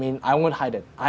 saya tidak akan menghidupkannya